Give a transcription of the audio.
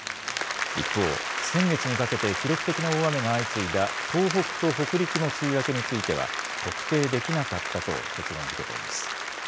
一方、先月にかけて記録的な大雨が相次いだ東北と北陸の梅雨明けについては、特定できなかったと結論づけています。